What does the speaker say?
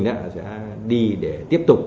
đã đi để tiếp tục